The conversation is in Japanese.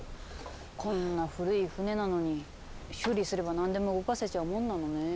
こんな古い船なのに修理すれば何でも動かせちゃうもんなのねぇ。